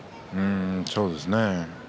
そうですね。